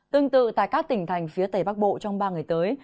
tương tự tại các tỉnh thành phía tầy bắc bộ trong ba ngày tới